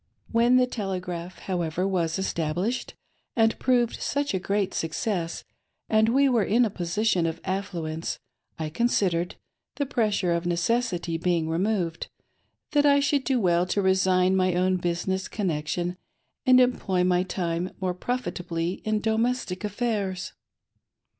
When the Tele graph, however, was established and proved such a great suc cess, and we were in a position of affluence, I considered — the pressure of necessity being removed — that I should do well to resign my own business connection and employ my time more profitably in domestic affairs.